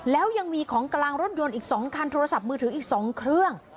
แล้วยังมีของกลางรถยนต์อีก๒คันโทรศัพท์มือถืออีก๒เครื่อง